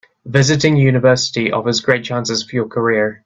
Visiting a university offers great chances for your career.